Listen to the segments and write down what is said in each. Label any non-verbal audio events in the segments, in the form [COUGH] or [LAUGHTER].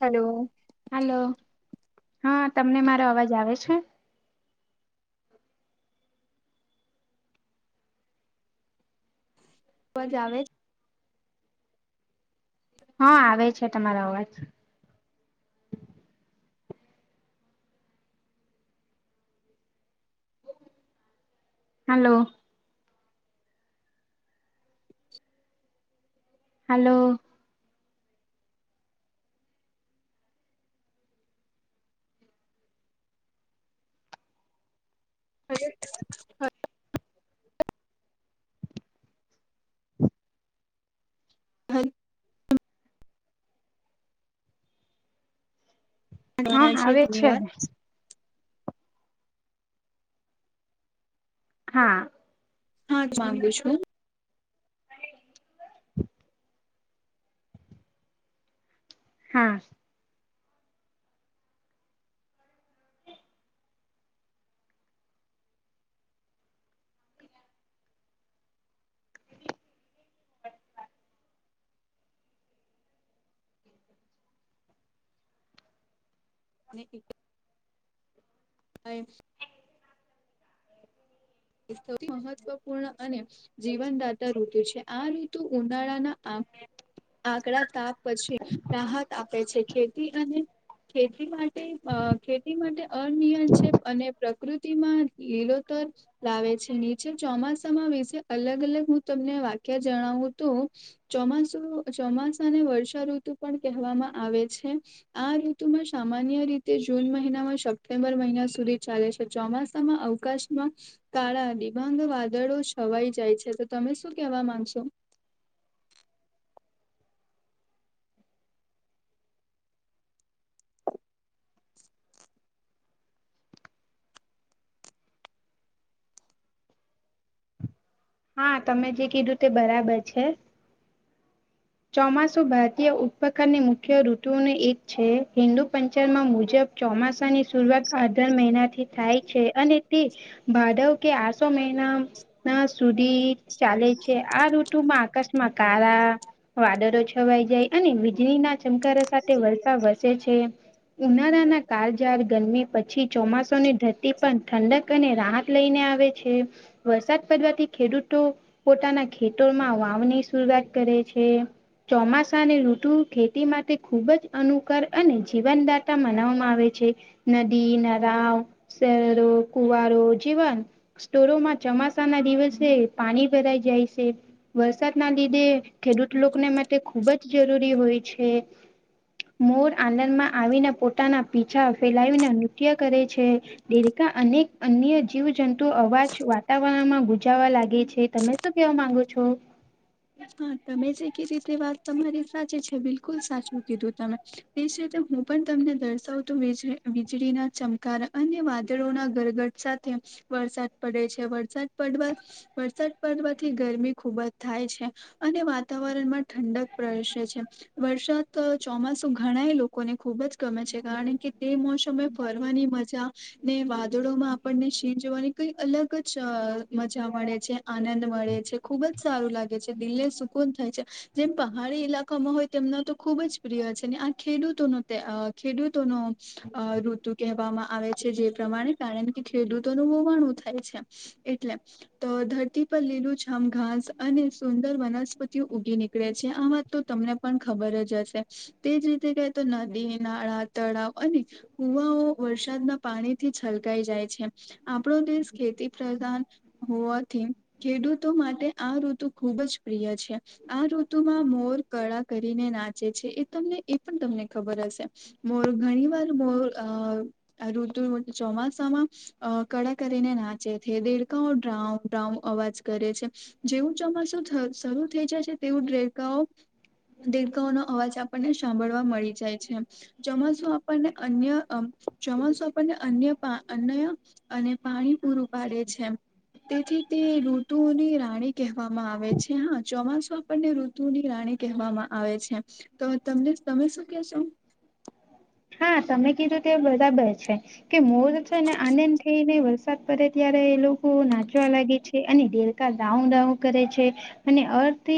Hello. Hello હા તમને મારો અવાજ આવે છે? અવાજ આવે હા આવે છે તમારો અવાજ. હલો. હલો. [UNINTELLIGIBLE] [INAUDIBLE] હ [UNINTELLIGIBLE] હા આવે છે. હા. હા માંગુ છું. હા. અને [UNINTELLIGIBLE] સૌથી મહત્વપૂર્ણ અને જીવનદાતા ઋતુ છે. આ ઋતુ ઉનાળાના આકડા તાપ પછી રાહત આપે છે. ખેતી અને ખેતી માટે અ ખેતી માટે અનિયક્ષે અને પ્રકૃતિમાં લીલોતર લાવે છે. નીચે ચોમાસામાં વિશે અલગ અલગ હું તમને વાક્ય જણાવું તો ચોમાસું ચોમાસાને વર્ષાઋતુ પણ કહેવામાં આવે છે. આ ઋતુમાં સામાન્ય રીતે જૂન મહિનામાં સપ્ટેમ્બર મહિના સુધી ચાલે છે. ચોમાસામાં આકાશમાં કાળા દિબાંગ વાદળો છવાઈ જાય છે. તો તમે શું કેવા માંગશો? [INAUDIBLE] હા તમે જે કીધું તે બરાબર છે. ચોમાસુ ભારતીય ઉત્પકારની મુખ્ય ઋતુઓને એક છે. હિન્દુ પંચમમાં મુજબ ચોમાસાની શરૂઆત [INAUDIBLE] મહિના થી થાય છે. અને તે ભાધવ કે આસો મહિનામ તા સુધી ચાલે છે. આ ઋતુમાં આકાશમાં કાળા વાદળ છવાઈ જાય. અને વીજળી ના ચમકારો સાથે વર્ષા વર્ષે છે. ઉનાળાના કાળઝાળ ગરમી પછી ચોમાસુની ધરતી પણ ઠંડક અને રાહત લઈને આવે છે. વરસાદ પડવાથી ખેડૂતો પોતાના ખેતમાં વાવની શરૂઆત કરે છે. [UNINTELLIGIBLE] ચોમાસાની ઋતુ ખેતી માટે ખૂબ જ અનુકર અને જીવનદાતા મનાવવામાં આવે છે. નદી, નળ, શહેરો, કુવારો જેવા સ્ટોરોમાં ચોમાસા ના દિવસે પાણી ભરાઈ જાય છે વરસાદના લીધે ખેડૂત લોકોને માટે ખૂબ જ જરૂરી હોય છે. મોર આનંદમાં આવીને પોતાના પીછા ફેલાવીને નૃત્ય કરે છે. દેરકા અનેક અન્ય જીવ જંત તો અવાજ વાતાવરણમાં ગુજાવા લાગે છે. તમે શું કેવા માંગો છો? હા તમે જે કીધી તે વાત તમારી સાચી છે બિલકુલ સાચું કીધું તમે. તે જ રીતે હું પણ તમને દર્શાવ તું વીજળીના ચમકારા અને વાદળોના ઘરગર સાથે વરસાદ પડે છે વરસાદ પડવા વરસાદ પડવાથી ગરમી ખુબ જ થાય છે. અને વાતાવરણમાં ઠંડક પ્રસે છે. વરસાદ તો ચોમાસુ ઘણા એ લોકોને ખુબ જ ગમે છે કારણ કે તે મોસમે ફરવાની મજા ને વાદળો માં આપણને શી જોવાની કઈ અલગ જ મજા મળે છે આનંદ મળે છે ખુબ જ સારું લાગે છે. દિલને સુકૂન થાય છે. જેમ પહાડી ઈલાકામાં હોય તેમના તો ખૂબ જ પ્રિય છે ને આ ખેડૂતોનો આ ખેડૂતોનો અ ઋતુ કહેવામાં આવે છે જે પ્રમાણે કારણ કે ખેડૂતોનું હોવાણું થાય છે. એટલે તો ધરતી પર લીલું છમ ઘાસ અને સુંદર વનસ્પતિઓ ઊગી નીકળે છે આ વાત તો તમને પણ ખબર જ હશે. તેજ રીતે કે તો નદી નાળા તળાવ અને કુવાઓ વરસાદના પાણી થી છલકાઈ જાય છે. આપણો દેશ ખેતી પ્રધાન હોવાથી ખેડૂતો માટે આ ઋતુ ખુબ જ પ્રિય છે આ ઋતુમાં મોર કળા કરીને નાચે છે એ તમને એ પણ તમને ખબર હશે. મોર ઘણી વાર મો આ ઋતુ ચોમાસામાં અ કળા કરીને નાચે છે દેડકાઓ ડ્રાઉ ડ્રઉ અવાજ કરે છે. જેવું ચોમાસું શરૂ થઈ જાય છે તેવું દેડકા ઓ દેડકા ઓનો અવાજ આપણને સાંભળવા મળી જાય છે. ચોમાસું આપણને અન્ય આ ચોમાસું આપણને અન્ય પા અન્ય અને પાણી પૂરું પાડે છે તેથી તે ઋતુની રાણી કહેવા માં આવે છે હા ચોમાસું આપણને ઋતુ ની રાણી કહેવામાં આવે છે. તો તમને તમે શું કેશો. હા તમે કીધું તે બરાબર છે. કે મોર છેને આનંદ થઈને વરસાદ પડે ત્યારે એ લોકો નાચવા લાગે છે અને દે દેડકા ડ્રાવુ ડ્રાવુ કરે છે અને અર્થ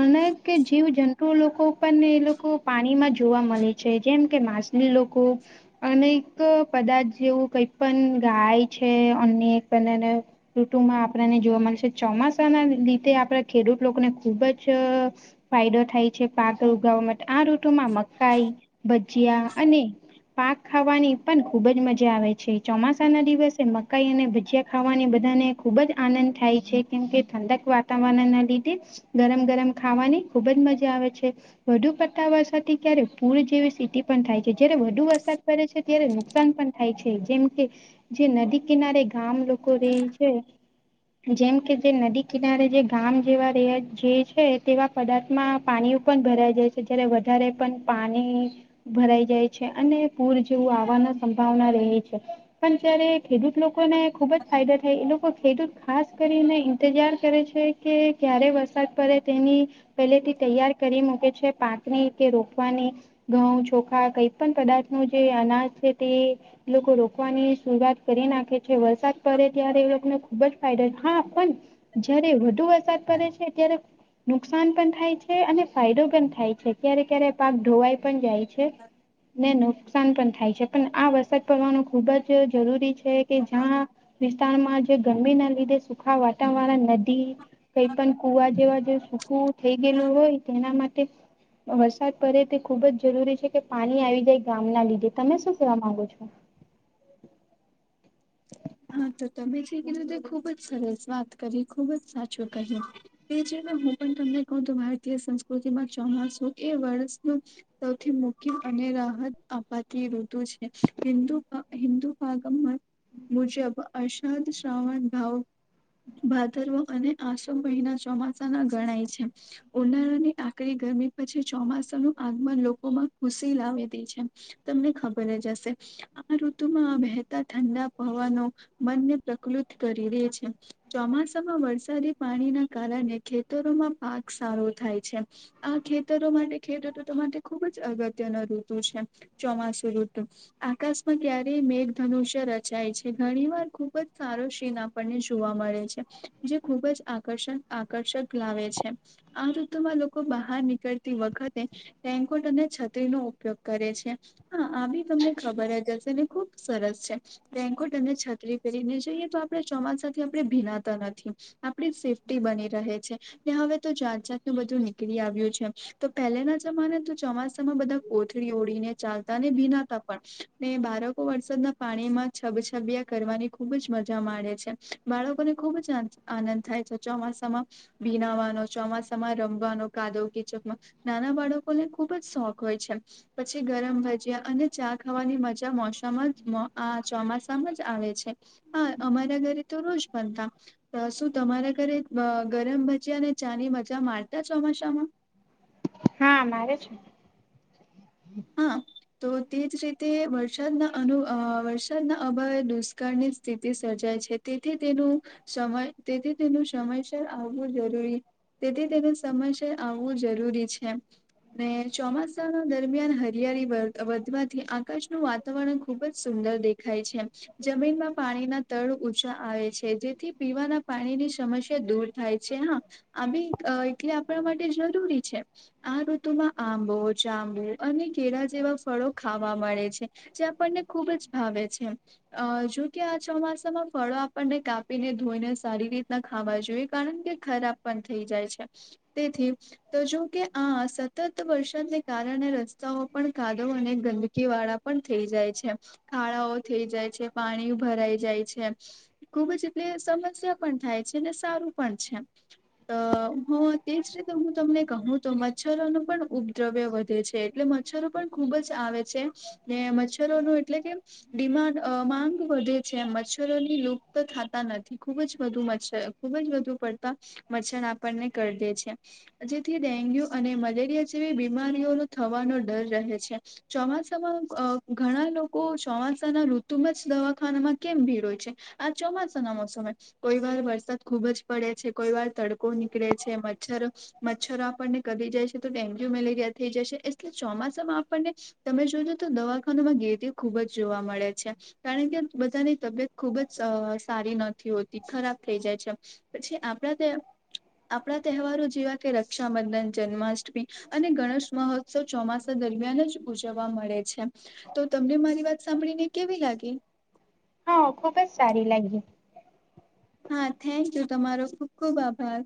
અનેક જીવજંતુઓ લોકો ઉપર ને એ લોકો પાણી માં જોવા મળે છે જેમ કે માસ તે લોકો અનેક પદાર્થ જેવું કઈ પણ ગાય છે અને એક બંનેને ઋતુમાં આપણને જોવા મળશે ચોમાસાના લીધે આપણા ખેડૂત લોકોને ખુબ જ ફાયદો થાય છે પાક ઉગાવા માટે આ ઋતુમાં મકાઈ ભજીયા અને પાક ખાવાની પણ ખુબ જ મજા આવે છે ચોમાસા ના દિવસે મકાઈ અને ભજીયા ખાવાની બધાને ખુબ જ આનંદ થાય છે કેમકે ઠંડક વાતાવરણ ના લીધે ગરમ ગરમ ખાવાની ખુબ જ મજા આવે છે. વધુ પડતા વરસાથી ત્યારે પુર જેવી સ્થિતિ પણ થાય. જયારે વધુ વરસાદ પડે છે ત્યારે નુકસાન પણ થાય છે જેમ કે જે નદી કિનારે ગામ લોકો રેઈ છે. જેમ કે જે નદી કિનારે જે ગામ જેવા રેવા જે છે તેવા પદાર્થમાં પાણી પણ ભરાઈ જાય છે જ્યારે વધારે પણ પાણી ભરાય જાય છે અને પૂર જેવું આવવાની સંભાવના રહે છે. પણ જ્યારે ખેડૂત લોકોને ખુબ જ ફાયદા થાય એ લોકો ખેડૂત ખાસ કરીને ઇંતજાર કરે છે. કે ક્યારે વરસાદ પડે તેની. પેલેથી તૈયાર કરી મૂકે છે પાકની કે રોપવાની ઘઉં ચોખા કઈ પણ પદાર્થ નું જે અનાજ છે તે લોકો રોકવાની શરૂઆત કરી નાખે. જે વરસાદ પડે ત્યારે એ લોકોને ખુબ જ ફાયદો હા પણ જયારે વધુ વરસાદ પડે છે, ત્યારે નુકસાન પણ થાય છે. તે અને ફાયદો પણ થાય છે ક્યારે ક્યારે પાક ઢોવાઈ પણ જાય છે. [INAUDIBLE] ને નુકસાન પણ થાય છે. પણ આ વરસાદ પડવાનો ખુબ જ જરૂરી છે. કે જ્યાં વિસ્તારમાં જે ગરમી ના લીધે સુખા વાતાવરણ નદી. કઈ પણ કુવા જેવા જે સુૂખું થઈ ગયેલું હોય તે એના માટે. વરસાદ પડે તે ખુબ જ જરૂરી છે કે. પાણી આવી જાય ગામ ના લીધે. તમે શું કેવા માંગો છો? હા! તો તમે છે કે કીધુ તે ખુબ જ સરસ વાત કરી. ખુબ જ સાચું કહ્યું. એ જે હું પણ તમને કહ્યું તો ભારતીય સંસ્કૃતિમાં ચોમાસું એ વર્ષનું. સૌથી મુખ્ય અને રાહત આપાતી ઋતુ છે. હિન્દુ હિન્ંદુ ભાગમાંમાં. મુજબ અશાંત શ્રાવણ ભાવ. ભાદરવો અને આસો મહિના ચોમાસા ના ગણાય છે. ઉનાળાની આકરી ગરમી પછી, ચોમાસા નું આગમન લોકોમાં ખુશી લાવે દે છે. તમને ખબર જ હશે. આ ઋતુમાં વહેતા ઠંડા. પવનો મનને પ્રકૃત કરી દે છે. ચોમાસામાં વરસાદી પાણીના કારણે ખેતરોમાં પાક સારો થાય છે. આ ખેતરો માટે ખેડતૂતો માટે, ખુબ જ અગત્યનો ઋતુ છે. ચોમાસું ઋતુ. આકાશમાં ક્યારેય મેઘધનુષ્ય ર. જાય છે. ઘણી વાર ખુબ જ સારો સીન આપણને જોવા મળે છે. જે ખૂબ જ આકર્ષણ. આકર્ષક લાવે છે. આ ઋતુમાં લોકો બહાર નીકળતી વખતે. રેનકોટ અને છત્રી નો ઉપયોગ કરે છે. હા! આ બી તમને ખબર જ હશે ને ખુબ સરસ છે. રેન્કોટ અને છત્રી પેરીને જઈએ તો, આપણે ચોમાસાથી આપણે ભીનાતા નથી. આપડી સેફ્ટી બની રહે છે. હવે તો જાત જાતનું બધું નીકળી આવ્યું છે. તો પહેલાના જમાને તો ચોમાસામાં બધા કોથળી ઓળીને ચાલતા ને ભિનાતા. પણ ને બાળકો વરસાદના પાણીમાં. છબછબિયા કરવાની ખુબ જ મજા માળે છે. બાળકોને ખુબ જ આ આનંદ થાય છે ચોમાસામાં. ભીનાવાનો ચોમાસામાં રમવાનો કાદો કિચડમાં. નાના બાળકોને ખુબ જ શોખ હોય છે. પછી ગરમ ભજીયા અને ચા ખાવાની મજા મોસમ જ આ. ચોમાસામાં જ આવે છે. હા અમારા ઘરે તો રોજ બનતા. શું તમારા ઘરે અ ગરમ ભજીયા અને ચા ની મજા મારતા ચોમાસામાં? હા મારે છે. હા. તો તે જ રીતે વરસાદના અનુ અ વરસાદના અભાવે દુષ્કાળની સ્થિતિ સર્જાય છે. તેથી તેનું સમય તેથી તેનું સમયસર આવવું જરૂરી. તેથી તેનું સમય સે આવવું જરૂરી છે. ને ચોમાસા ના દરમિયાન હરિયાળી વ વધવાથી આકાશનું વાતાવરણ ખુબ જ સુંદર દેખાય છે. જમીનમાં પાણીના તળ ઊંચા આવે છે. જેથી પીવાના પાણીની સમસ્યા દૂર. થાય છે હા. આ બી અ એટલે આપણા માટે જરૂરી છે. આ ઋતુ માં આંબો જાબુ. અને કેળા જેવા ફળો ખાવા મળે છે. જે આપણને ખુબ જ ભાવે છે. અ જોકે આ ચોમાસામાં ફળો આપણને કાપીને, ધોઈને સારી રીતના ખાવા જોઈએ કારણ કે. ખરાબ પણ થઈ જાય છે. તેથી તો જોકે આ અસ. સતત વરસાદને કારણે રસ્તાઓ પણ કાદો અને ગંદકી વાળા પણ થઈ જાય છે. ખાળાઓ થઈ જાય છે. પાણી ભરાઈ જાય છે. ખુબ જ એટલે સમસ્યા પણ થાય છે અને સારું પણ છે. અ હ તેજ રીતે હું તમને કહું તો, મચ્છરોનું પણ ઉપદ્રવ્ય વધે છે. એટલે મચ્છરો પણ ખુબ જ આવે છે. ને મચ્છરોનું એટલે કે. ડિમાડ માંગ વધે છે. મચ્છરોની લુપ્ત થતા નથી ખુબ જ વધુ મચ્છર. ખુબ જ વધુ પડતા મચ્છર આપણને કરડે છે જેથી ડેન્ગ્યુ અને મલેરિયા જેવી બીમારીઓનો થવાનો ડર રહે છે ચોમાસામાં અ ઘણા લોકો ચોમાસાના ઋતુમાં જ દવાખાનામાં કેમ ભીડ હોય છે આ ચોમાસા ના મોસમ એ કોઈ વાર વરસાદ ખુબ જ પડે છે કોઈ વાર તડકો નીકળે છે મચ્છર મચ્છરો આપણને કરડી જાય છે તો ડેન્ગ્યુ મેલેરિયા થઈ જાય છે એટલે ચોમાસામાં આપણને તમે જોજો તો દવાખાના માં ગેરદી ખુબ જ જોવા મળે છે કારણ કે બધાની તબિયત ખુબ જ સ સારી નથી હોતી ખરાબ થઈ જાય છે પછી આપડા ત્યા આપણા તહેવારો જેવા કે રક્ષાબંધન જન્માષ્ટમી અને ગણેશ મહોત શો ચોમાસા દરમિયાન જ ઉજવવા મળે છે તો તમને મારી વાત સાંભળી ને કેવી લાગી હ ખુબ જ સારી લાગી હા થેન્ક યુ તમારો ખુબ ખુબ આભાર